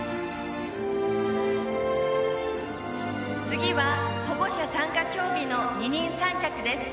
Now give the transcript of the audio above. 次は保護者参加競技の二人三脚です